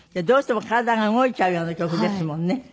どうしても体が動いちゃうような曲ですもんね。